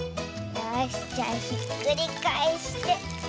よしじゃひっくりかえして。